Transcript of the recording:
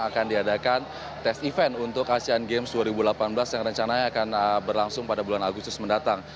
akan diadakan tes event untuk asean games dua ribu delapan belas yang rencananya akan berlangsung pada bulan agustus mendatang